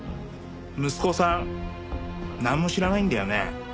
息子さんなんも知らないんだよね？